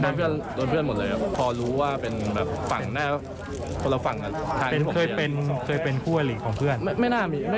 สถาบันไหมถามจริงเลยนะครับน่าใช่